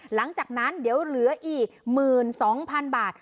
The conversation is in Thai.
หลังจากนั้นเดี๋ยวเหลืออีก๑๒๐๐๐บาท